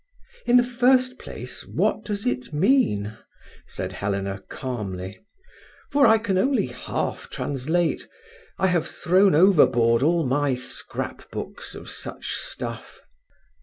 "In the first place, what does it mean?" said Helena calmly, "for I can only half translate. I have thrown overboard all my scrap books of such stuff."